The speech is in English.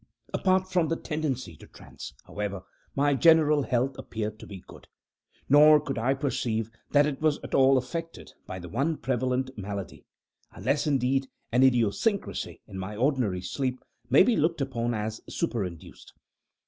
Apart from the tendency to trance, however, my general health appeared to be good; nor could I perceive that it was at all affected by the one prevalent malady unless, indeed, an idiosyncrasy in my ordinary sleep may be looked upon as superinduced.